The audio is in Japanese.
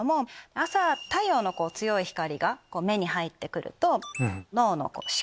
朝太陽の強い光が目に入ってくると脳の視